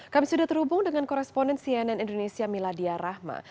kami sudah terhubung dengan koresponen cnn indonesia miladia rahma